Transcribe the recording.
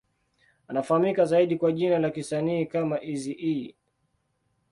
Anafahamika zaidi kwa jina lake la kisanii kama Eazy-E.